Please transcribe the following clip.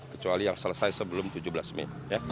kecuali yang selesai sebelum tujuh belas mei